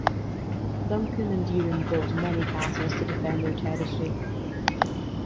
Duncan and Ewan built many castles to defend their territory.